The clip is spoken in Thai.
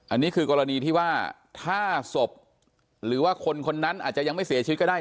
อันนี้คือกรณีที่ว่าถ้าศพหรือว่าคนคนนั้นอาจจะยังไม่เสียชีวิตก็ได้